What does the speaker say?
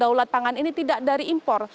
daulat pangan ini tidak dari impor